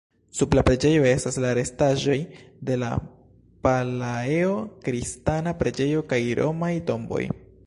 Sub la preĝejo estas la restaĵoj de la Palaeo-kristana preĝejo kaj romaj tomboj.